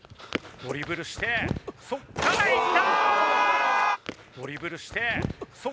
ドリブルしてそこからいった！